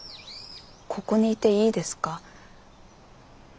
ここにいていいですか？